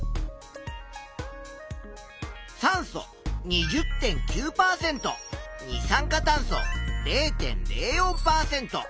酸素２０．９％二酸化炭素０．０４％。